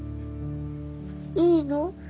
いいの？